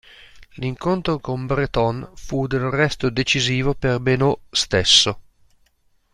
L'incontro con Breton fu del resto decisivo per Benoît stesso.